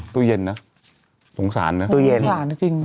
ตู้เย็นน่ะสงสารนะสงสารจริง